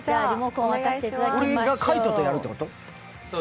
俺が海音とやるってこと？